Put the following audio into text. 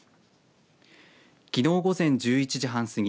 きのう午前１１時半すぎ